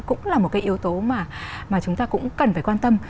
cũng là một cái yếu tố mà chúng ta cũng cần phải quan tâm